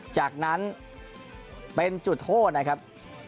จากนั้นเป็นจุดโทษนะครับ